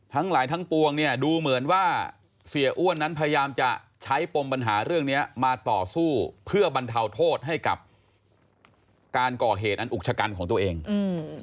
ทั้งหลายทั้งปวงเนี้ยดูเหมือนว่าเสียอ้วนนั้นพยายามจะใช้ปมปัญหาเรื่องเนี้ยมาต่อสู้เพื่อบรรเทาโทษให้กับการก่อเหตุอันอุกชะกันของตัวเองอืม